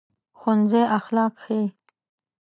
ښوونځی اخلاق ښيي